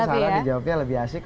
saran dijawabnya lebih asik